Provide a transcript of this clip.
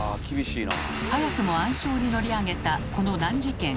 早くも暗礁に乗り上げたこの難事件。